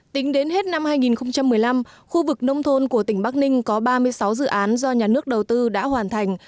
tính đến hết năm hai nghìn một mươi năm khu vực nông thôn của tỉnh bắc ninh có ba mươi sáu dự án do nhà nước đầu tư đã hoàn thành